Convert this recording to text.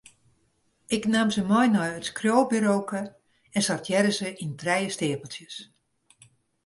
Ik naam se mei nei it skriuwburoke en sortearre se yn trije steapeltsjes.